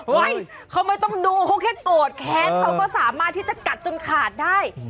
เขาไม่ต้องดูเขาแค่โกรธแค้นเขาก็สามารถที่จะกัดจนขาดได้